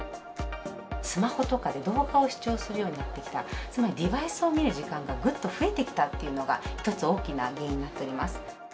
スマホとかで動画を視聴するようになってきた、つまりデバイスを見る時間がぐっと増えてきたっていうのが、一つ、大きな原因になっております。